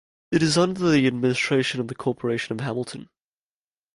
It is under the administration of the Corporation of Hamilton.